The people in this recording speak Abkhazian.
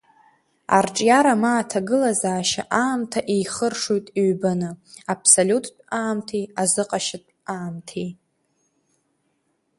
Арҿиара ма аҭагылазаашьа аамҭа еихыршоит ҩбаны абсолиуттә аамҭеи азыҟашьатә аамҭеи.